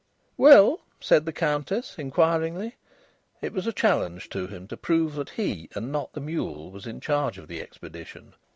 "Well?" said the Countess, inquiringly. It was a challenge to him to prove that he and not the mule was in charge of the expedition.